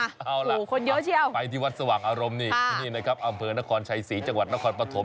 เอาล่ะคนเยอะเชียวไปที่วัดสว่างอารมณ์นี่ที่นี่นะครับอำเภอนครชัยศรีจังหวัดนครปฐม